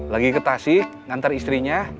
lagi ke tasik ngantar istrinya